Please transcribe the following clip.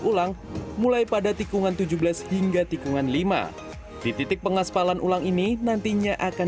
ulang mulai pada tikungan tujuh belas hingga tikungan lima di titik pengaspalan ulang ini nantinya akan